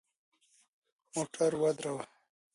موټر ودروه !